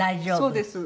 そうです。